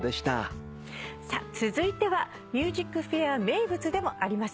さあ続いては『ＭＵＳＩＣＦＡＩＲ』名物でもあります